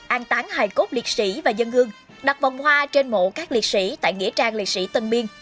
an tán hài cốt liệt sĩ và dân hương đặt vòng hoa trên mộ các liệt sĩ tại nghĩa trang liệt sĩ tân biên